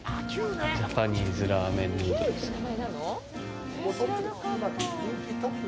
ジャパニーズラーメンヌードル。